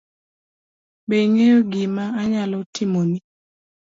Be ing'eyo gima anyalo timoni?